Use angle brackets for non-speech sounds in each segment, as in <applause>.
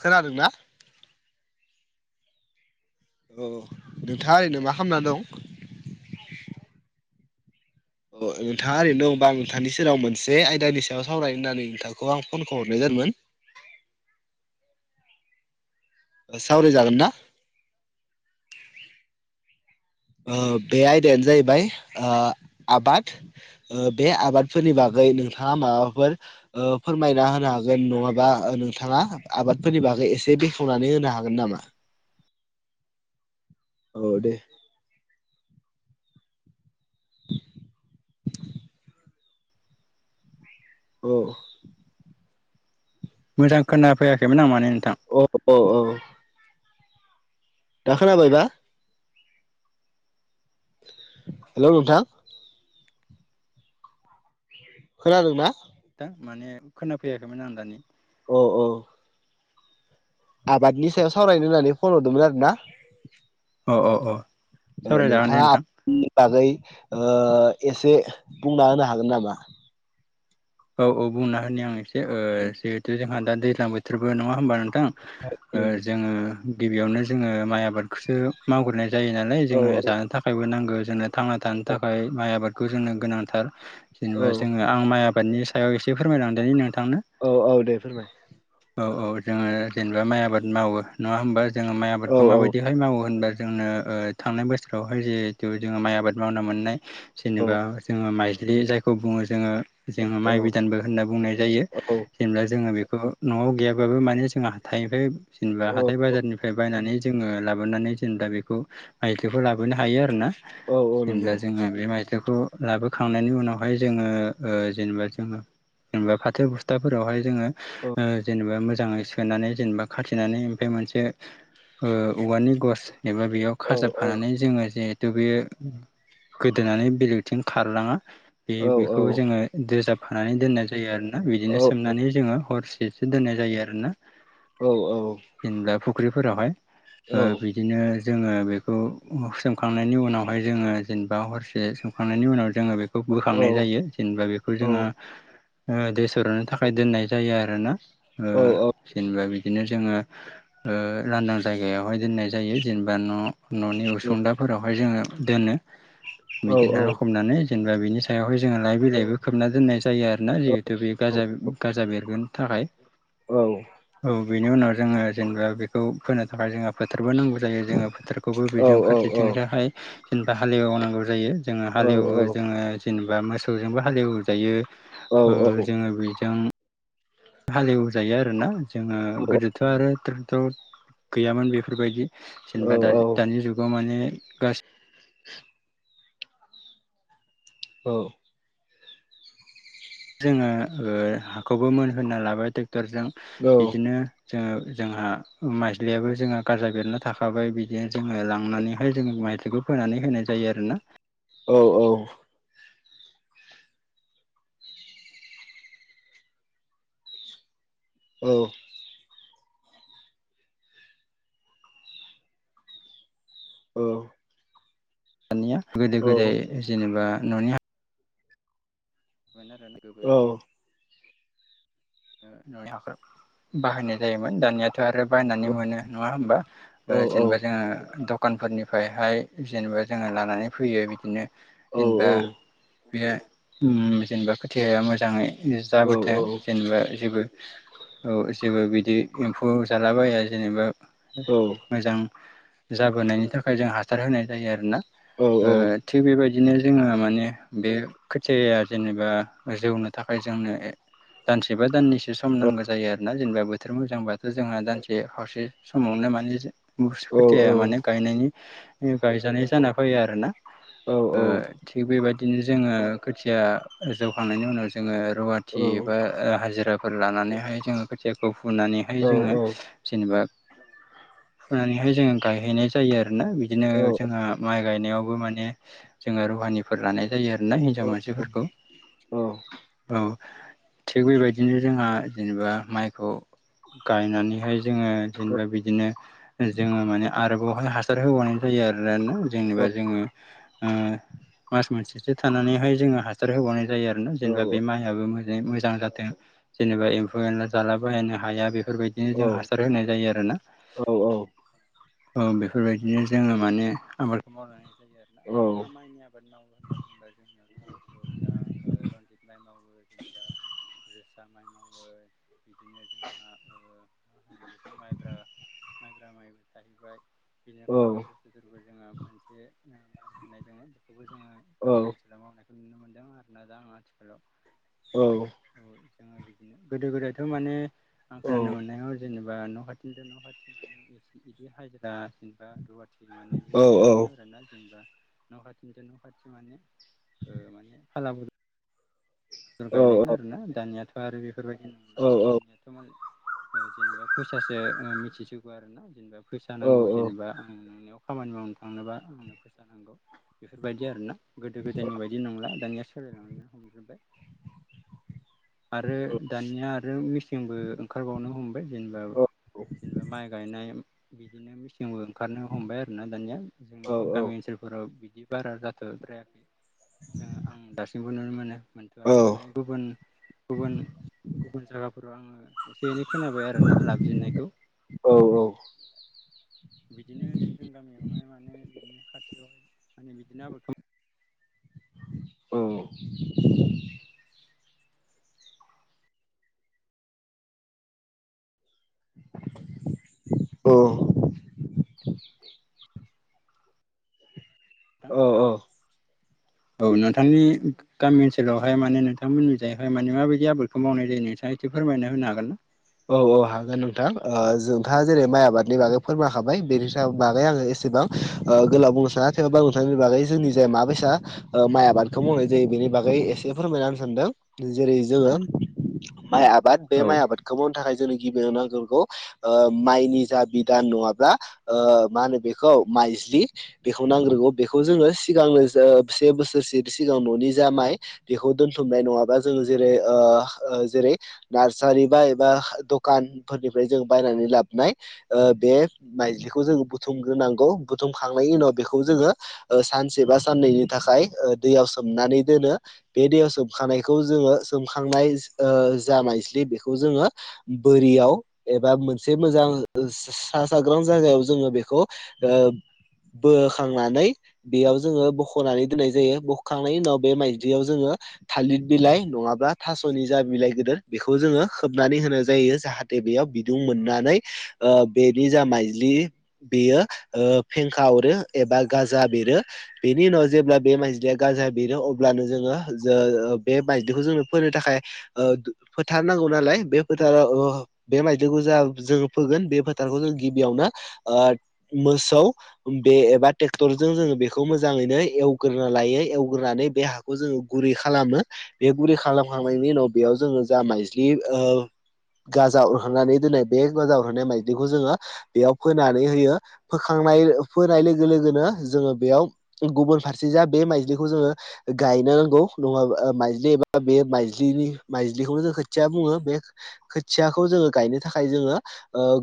खोनादोंना? औ नोंथाङा ओरैनो मा खालामना दं? अ नोंथाङा ओरैनो दङोबा आं नोंथांनि सोरेराव मोनसे आयदानि सायाव सावरायनो होन्नानै नोंथांखौ आं फनखौ हरनाय जा दोमोन सावराय जागोन ना। ओ बे आयदायानो जाहैबाय ओ आबाद ओ बे आबादफोरनि बागै नोंथाङा माबाफोर ओ फोरमायना होनो हागोन नङाबा ओ नोंथाङा आबादफोरनि बागै एसे बेखेवनानै होनो हागोन नामा? औ दे। औ मोजां खोना फैयाखैमोन आं माने नोंथां औ औ औ दा खोनाबायबा? हेलौ नोंथां। खोनादों ना दा माने खोनाफैयाखैमोन आं दानि अ औ आबादनि सायाव सावरायनो होननानै फन हरदोंमोन आरो ना। अ अ अ ओ सावरायजागोन दे नोंथाङा नोंथां नि बागै ओ एसे बुंना होनो हागोन नामा? औ औ बुंना होनि आं एसे ओ जिहेथु जोंहा दा दैज्लां बोथोरबो नङा होमबा नों थां ओ जोङो गिबियावनो जोङो माइ आबाद खौसो मावग्रोनाय जायो नालाय औ जोङो जानो थाखायबो नांगो जोंनो थांना थानो थाखाय माइ आबाद खौ जोंनो गोनांथार औ जेनेबा जोङो आं माइ आबादनि सायाव एसे फोरमायलांदोनि नों औ औ दे फोरमाय। औ औ जोङो जेनेबा माइ आबाद मावो नङा होमबा जोङो माइ औ आबादखौ औ माबायदिहाय मावो होनबा जोंनो ओ थांनाय बोसोरावहाय जिहेथु जोंहा माइ आबाद मावनो मोननाय औ जेनेबा जोङो माइस्लि जायखौ बुङो जोङो जोङो औ माइ बिदानबो होनना बुंनाय जायो औ जेनेबा जोङो बे खौ न'आव गैयाबाबो माने जोंहा हाथाइनिफ्राय जेनेबा हाथाय बाजारनिफ्राय बायनानै जोङो लाबोनानै जेनबा बेखौ माइदिखौ लाबोनो हायो आरो ना औ औ नंगौ जेनेब्ला जोङो बे माइज्लिखौ लाबोखांनायनि उनावहाय जोङो ओ जेनेबा जोङो जेनेबा फाथो बुस्थाफोरावहाय जोङो औ ओ जेनेबा मोज जाङै सोनानै जेनेबा खाथिनानै ओमफाय मोनसे औवानि गस एबा बेयाव औ औ खाजाबफानानै जोङो जे थु बियो गोदोनानै बेलेगथिं खारलाङा बे औ बेख औ खौ जोङो दोजाबफानानै दोननाय जायो आरोना बिदिनो औ सोमनानै जोङो हरस सेसो दोननाय जायो आरो ना औ औ फुख्रिफोरावहाय ओ बिदिनो जोङो बेखौ अ सोमखांनायनि उनावहाय जोङो जेनेबा हरसे सोमखांनायनि उनाव जोङो बे खौ बोखांनाय औ औ औ जायो जेनेबा बेखौ जोङो औ ओ दै सरनो थाखाय दोननाय जायो आरो ना ओ जेनेबा बिदिनो जोङो ओ लादां जायगायावहाय दोननाय जायो जेनेबा न' न'नि उसुंदाफोराव। बाहाय जोङो दोनो बिदिनो लखबनानै जोङो बिनि सायावहाय जोङो लाइ बिलाइबो खोबना दोननाय जायो आरोना जिहेथु बि गाजा गाजा बेरगोन थाखाय। औ बेनि उनाव जोङो जेनेबा बेखौ फोनो थाखाय जोङा फोथार <unintelligible> नांगौ जायो जोङा फोथारखौबो बेजों फारसेथिं जायहाय जेनेबा हालेवनांगौ जायो। जोङो हालेवो जोङो जेनेबा मोसौजोंबो हालेवजायो ओ जोङो बेजों हालेवजायो आरोना जोङो गोदोथ' आरो ट्रेक्ट' गैयामोन बेफोरबायदि जेनेबा दा दानि जुगाव माने गास <inaudible> औ जोङो ओ हाखौबो मोनहोनना लाबाय टेक्टरजों बिदिनो जोङो जोंहा माइसलियाबो जोंहा गाराजा बेरना थाखाबाय बिदिनो जोङो लांनानैहाय जोङो माइसलिखौ फोनानै होनाय जायो आरोना? औ औ औ औ <unintelligible> निया गोदो गोदाय जेनेबा न'नि हा <unintelligible> गोबोरखि न'नि हाखर बाहायनाय जायोमोन दानिया थ' आरो बायनानै मोनो नङा होमबा औ औ जेनेबा जोङो दखानफोरनिफायहाय जेनेबा जोङो लानानै फैयो बिदिनो औ औ बेयो जेनेबा खोथियाया मोजाङै जाबोथों जेनेबा जेबो औ जेबो बिदि एम्फौ जालाबाया जेनेबा मोजां जाबोनायनि थाखाय जों हासार होनाय जायो आरोना थिग बेबायदि दिनो जोङो माने बे खोथियाया जेनेबा जौनो थाखाय जोंनो दानसेबा दाननैसो सम नांगौ जायो आरो। ना जेनेबा बोथोर मोजांबाथ' जोंहा दानसे खावसे समावनो माने <unintelligible> औ खोथायाया माने गायनायनि गायजानाय जाना फैयो आरो ना। औ थिग बेबायदिनो जोङो खोथिया जौखांनायनि उनाव जोङो रुवाथि एबा हाजिराफोर लानानैहाय जोङो खोथियाखौ फुनानैहाय जोङो जेनेबा फुनानैहाय जोङो गायहैनाय जायो आरो। आरोना बिदिनो जोंहा माइ गायनायावबो माने जोङो रुहानिफोर लानाय जा जायो आरोना हिनजाव मानसिफोरखौ औ। थिग बेबायदिनो जोंहा जेनेबा माइखौ गायनानैहाय जोङो जेनेबा बिदिनो जोङो माने आरोबावहाय हासार होबावनाय जायो आरोना। जेनेबा जोङो मास मोनसेसो थानानैहाय जोङो हासार होबावनाय जायो आरो। जेनेबा बे माइयाबो मोजाङै मोजां जाथों जेनेबा एमफौ एनला जाला बायनो हाया बे बेफोरबायदिनो जों हासार होनाय जायो आरोना। औ बेफोरबायदिनो जोङो माने आबादखौ मावनानै जायो आरो ना मा मा माइनि आबाद मावो होनना बुंबा जोंनियावथ' दा रनजित माइ मावो। जेनेबा <inaudible> जोसा माइ मावो बिदिनो जोंहा मा होनो बेखौ माइब्रा। माइब्रा माइबो थाहैबाय। बिदिनो खत <unintelligible> बुसथुफोरबो <unintelligible> जोंहा मोनसे माइ होननाय दङ बेखौबो जोङो गामि ओनसोलाव मावनाय नुनो मोनदों आरोना दा आङो आथिखालाव औ ओ जोङो बिदिनो गोदो गोदायथ' माने आं खोनानो मोननायाव जेनेबा न खाथिनि' न' खाथि मानेदि हाजिरा जेनेबा माने लिंलायामोन आरोना जेनेबा न' खाथिनिफ्राय न' खाथि माने ओ माने फालाबदल गायलायोमोन आरोना दानियाथ' आरो बेफोरबायदि नंला दानियाथ' मालाय जेनेबा फैसाासो मिथिसिगौ आरोना जेनेबा फैसा नांगौ जेनेबा आं नोंनियाव खामानि मावनो थांनोबा आंनो फैसा नांगौ बेफोरबायदि आरोना। गोदो गोदायनि बायदि नंला दानिया सोलायलांनो हमजोबबाय। आरो दानिया आरो मेसिनबो ओंखारबावनो हमबाय जेनेबा जेनेबा माइ गायनाय बिदिनो मेचिंबो ओंखारनो हमबाय आरोना दानिया। जोंनि गामि ओनसोलफोराव बिदि बारा जाथ'द्रायाखै जों आं दासिम मोन मोनथ'वाखै माने गुबुन गुबुन गुबुन जायगाफोराव आङो नो खोनाबाय आरोना लाबोजेननायखौ। बिदिनो जों गामियावहाय माने बिदिनो खाथियावहाय माने बिदिनो आबादखौ माव औ औ औ औ औ नोंथांनि गामि ओनसोलावहाय माने नोंथांमोननि जायहाय माने माबायदि आबादखौ मावनाय जायो नों थाङा इसे फोरमायना होनो हागोन ना? औ औ हागोन नोंथां ओ नोंथाङा जेरै माइ आबादनि बागै फोरमाखाबाय बेनि बागै आङो बेसे गोलाव बुंनो साना थेवबाबो बुंनो बागै जोंनि जाय माबायसा माइ आबादखौ मावनाय जायो बे नि बागै एसे फोरमायनानै सानदों जेरै जोङो माइ आबाद बे ना औ माइ आबाद नि थाखाय जोंनो गिबि नांग्रोगौ माइनि जा बिधान नङाब्ला मा होनो बेखौ खौ ओ माइज्लि बेखौ नांग्रोगौ बेखौ जोङो सिगांनो जोङो ओ से बोसोर सिगाङाव न'नि जा जा माइ बेखौ दोनथुमनानै नङाबा जोङो जेरै ओ ओ जेरै नारसारि बा बा द'खानफोरनिफ्राय जों बायनानै लाबोनाय बे माइजलिखौ जों बुथुमगोन। बुथुमखांनायनि उनाव बेखौ जोङो सानसे बा साननैनि थाखाय ओ दैयाव सोमनानै दोनो बे दैयाव सोमखांनायखौ जोङो सोमखांनाय ओ जा माइज्लि बेखौ जोङो बोरियाव एबा मोनसे मोजां सा साग्रां जायगायाव जोङो बेखौ ओ बोखांनानै बेयाव जोङो बोख'नानै दोननाय जायो बख'खांनायनि उनाव बे माइज्लियाव जोङो थालिर बिलाइ नङाबा थास'नि जा बिलाइ जोङो बेखौ खोब नानै होनाय जायो जाहाथे बेयाव बिदुं मोननानै ओ बेनि जा माइज्लि बेयो ओ फेंखा हरो एबा गाजा बेरो, बेनि उनाव जेब्ला बे माइज्लिया गाजा बेरो अब्लानो जोङो ज बे बायदिखौ जोंनो फोनो थाखाय फोथार नांगौ नालाय बे फोथाराव बे माइज्लिखौ जा जोङो फोगोन बे फोथारखौ जों गिबियावनो ओ मोसौ बे एबा ट्रेक्टरजों जोङो बेखौ मोजाङैनो एवग्रोनो लायो एवग्रोनानै बे हाखौ जोङो गुरै खालामो बे गुरै खालामखांनायनि उनाव बेयाव जोङो जा माइज्लि ओ <inaudible> गाजा अरखांनानै दोननाय बे गाजा अरहांनाय माइदिंखौ जोङो बेयाव फोनानै होयो फोखांनाय फोनाय लोगो लोगोनो जोङो बेयाव गुबुन फारसे ज बे माइजलिखौ जोङो गायनो माइज्लि एबा बे माइनि माइज्लिखौनो जों खोथिया बुङो बे खोथियाखौ जोङो गायनो थाखाय जोङो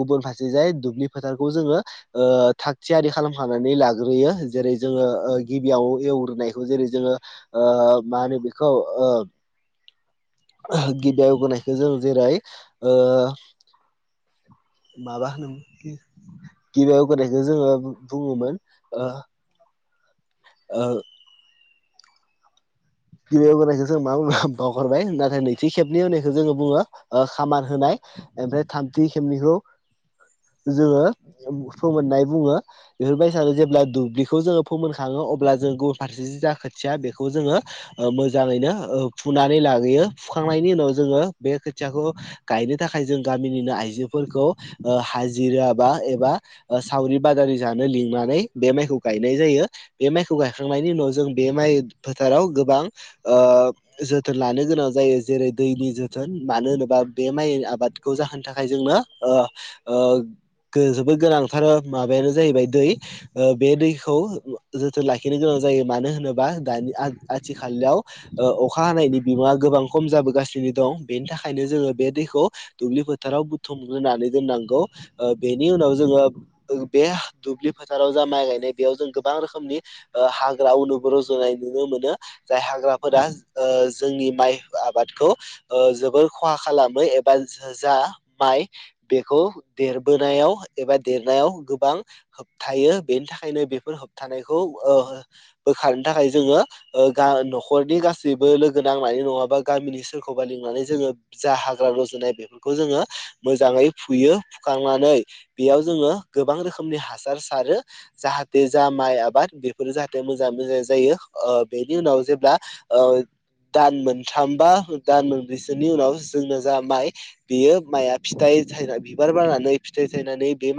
गुबुन फारसे जाय दुब्लि फोथारखौ जोङो ओ ओ थाग थियारि खालामखानानै लाग्रोयो जेरै जोङो गिबियाव एवग्रोनायखौ जेरै जोङो ओ मा होनो बेखौ ओ गिबियावगोनायखौ जों जेरै ओ माबा होनोमोनलै बेखौ गिबि एवग्रोनायखौ जोङो बुङोमोन। ओ गिबियाव एवग्रोनायखौ जों मा बुं बावहरबाय नाथाय नैथि खेबनि उनायखौ जोङो बुङो खामान होनाय। ओमफ्राय थामथि खेबनिखौ जोङो फोमोननाय बुङो बेफोरबायदिसानो जेब्ला दुब्लिखौ जोङो फोमोनखाङो अब्ला जों गुबुन फारसे जा खोथिया बेखौ जोङो मोजाङैनो फुनानै लाबोयो फुखांनायनि उनाव जोङो बे खोथियाखौ गायनो था खायनो आइजोफोरखौ हाजिरा बा एबा सावरि बादालि जानो लिंनानै बे माइखौ गायनाय जायो, बे माइखौ गायखांनायनि उनाव जों बे माइ फोथाराव गोबां ओ जोथोन लानो गोनां जायो जेरै दैनि जोथोन मानो होनोबा बे माइ आबादखौ जाहोनो थाखाय जोंनो ओ ओ जोबोद गोनांथार माबायानो जाहैबाय दै। बे दैखौ जोथोन लाखिनो गोनां जायो मानो होनोबा दानि आ आथि खालायाव अखा हानायनि बिमाङा गोबां खम जाबोगासिनो दं बेनि थाखायनो जोङो बे दैखौ दुब्लि फोथाराव बुथुमोनानै दोननांगौ, बेनि उनाव जोङो बे दुब्लि फोथाराव जा माइ गायनाय बेयाव जों गोबां रोखोमनि हाग्रा अनु रजनाय नुनो मोनो। जाय हाग्राफोरा जोंनि माइ आबादखौ जोबोर खहा खालामो एबा जा माइ बेखौ देरबोनायाव एबा देरनायाव गोबां हो थायो बेनि थाखायनो बेफोर होबथानायखौ ओहो बोखारनो थाखाय जोङो ओ गा न'खरनि गासैबो लोगो नांनानै नङाबा गामिनि सोरखौबा लिंनानै जोङो जा हाग्रा रजनाय बेफोरखौ जोङो मोजाङै फुङो फुखांनानै बेयाव जोङो गोबां रोखोम नि हासार सारो जाहाथे जा माइ आबाद बेफोरो जाहाथे मोजां मोजां जायो ओ बेनि उनाव जेब्ला ओ दान मोनथामबा दान मोनब्रैसोनि उनाव जोंनो जा माइ बेयो माइआ फिथाइ इ थाइरा बिबार बारनानै फिथाइ सायनानै बे मा